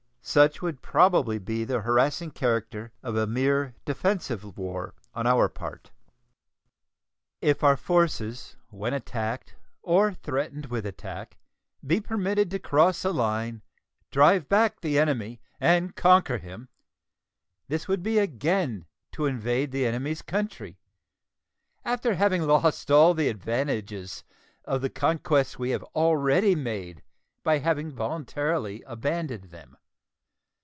Such would probably be the harassing character of a mere defensive war on our part. If our forces when attacked, or threatened with attack, be permitted to cross the line, drive back the enemy, and conquer him, this would be again to invade the enemy's country after having lost all the advantages of the conquests we have already made by having voluntarily abandoned them.